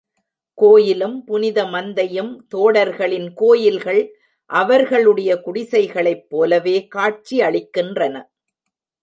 கோயிலும் புனித மந்தையும் தோடர்களின் கோயில்கள் அவர்களுடைய குடிசைகளைப் போலவே காட்சியளிக்கின்றன.